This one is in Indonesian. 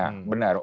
bukan ukraina benar